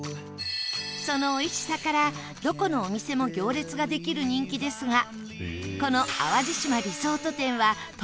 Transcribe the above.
そのおいしさからどこのお店も行列ができる人気ですがこの淡路島リゾート店は特に長蛇の列が！